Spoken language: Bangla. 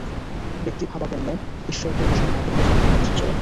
ব্যক্তিভাবাপন্ন ঈশ্বরকে উপাসনা না করিলে সাধারণ মানুষের চলে না।